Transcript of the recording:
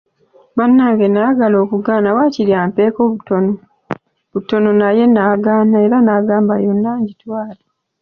Bannange nayagala okugaana waakiri ampeeko butono naye n'agaana era n'agamba yonna ngitwale.